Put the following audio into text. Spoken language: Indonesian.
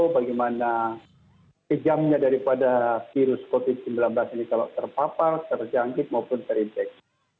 bagaimana kejamnya daripada virus covid sembilan belas ini kalau terpapar terjangkit maupun terinfeksi